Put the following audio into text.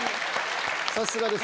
さすがです。